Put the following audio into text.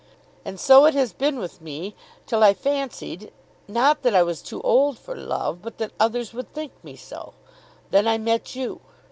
And so it has been with me till I fancied, not that I was too old for love, but that others would think me so. Then I met you.